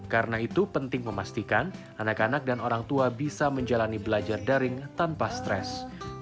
karena itu penting memastikan anak anak dan orang tua bisa menjalani belajar daring tanpa stres